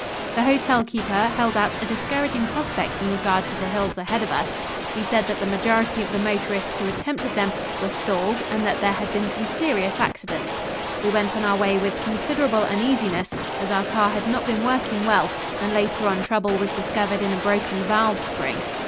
The hotelkeeper held out a discouraging prospect in regard to the hills ahead of us. He said that the majority of the motorists who attempted them were stalled and that there had been some serious accidents. We went on our way with considerable uneasiness, as our car had not been working well, and later on trouble was discovered in a broken valve spring.